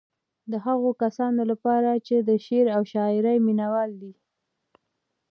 د هغو کسانو لپاره چې د شعر او شاعرۍ مينوال دي.